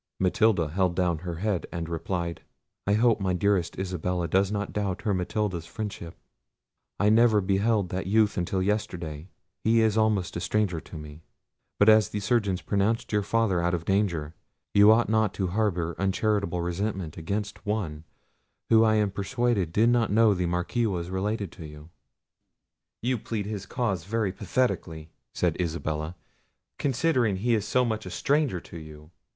Matilda held down her head and replied: "I hope my dearest Isabella does not doubt her Matilda's friendship: I never beheld that youth until yesterday; he is almost a stranger to me: but as the surgeons have pronounced your father out of danger, you ought not to harbour uncharitable resentment against one, who I am persuaded did not know the Marquis was related to you." "You plead his cause very pathetically," said Isabella, "considering he is so much a stranger to you!